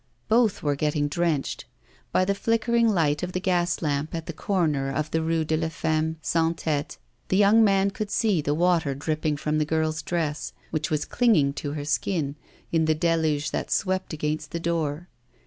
Both were getting drenched. By the flickering light of the gas lamp at the corner of the Rue de la Femme sans Tête the young man could see the water dripping from the girl's dress, which was clinging to her skin, in the deluge that swept against the door.